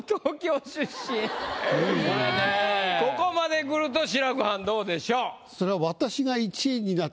ここまでくると志らくはんどうでしょう？